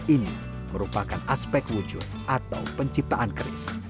ini merupakan aspek wujud atau penciptaan keris